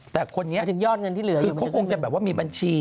แต่คนนี้เดี๋ยวมีบัญชี